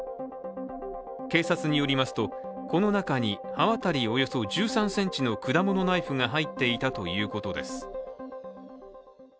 警察によりますと、この中に刃渡りおよそ１３ｃｍの果物ナイフが入っていたということです。